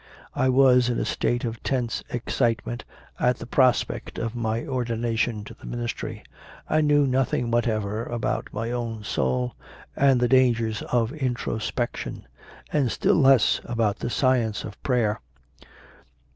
I was in a state of tense excitement at the prospect of my ordination to the ministry; I knew nothing whatever about my own soul and the dangers of in trospection, and still less about the science of prayer.